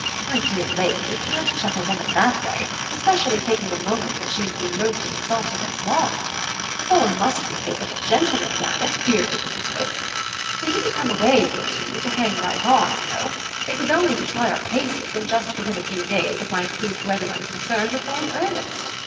My dear lady, you can't chuck a woman that way, especially taking the moment when she has been most insulted and wronged. A fellow must behave like a gentleman, damn it, dear good Mrs. Wix. We didn't come away, we two, to hang right on, you know: it was only to try our paces and just put in a few days that might prove to every one concerned that we're in earnest.